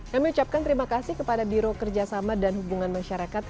kami ucapkan terima kasih kepada biro kerjasama dan hubungan masyarakat